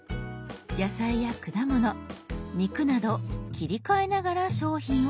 「野菜」や「果物」「肉」など切り替えながら商品を確認。